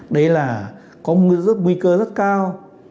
đấy là có nguy cơ rất cao